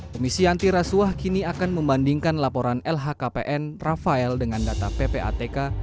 komisi anti rasuah kini akan membandingkan laporan lhkpn rafael dengan data ppatk